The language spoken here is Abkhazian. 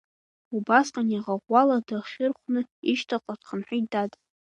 Убасҟан иаӷа ӷәӷәала дахьырхәны ишьҭахьҟа дхынҳәит, дад.